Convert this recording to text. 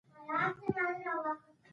دا داسې لویه تېروتنه وه.